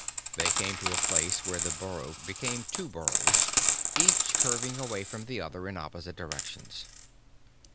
They came to a place where the burrow became two burrows, each curving away from the other in opposite directions.